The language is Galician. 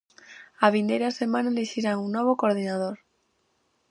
A vindeira semana elixirán un novo coordinador.